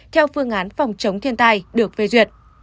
theo phương án phòng chống thiên tai được phê duyệt